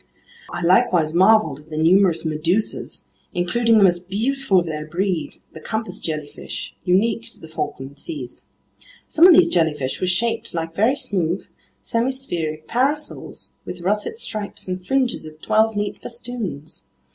I likewise marveled at the numerous medusas, including the most beautiful of their breed, the compass jellyfish, unique to the Falkland seas. Some of these jellyfish were shaped like very smooth, semispheric parasols with russet stripes and fringes of twelve neat festoons.